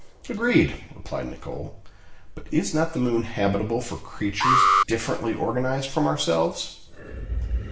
"Agreed," replied Nicholl. "But is not the moon habitable for creatures differently organized from ourselves?"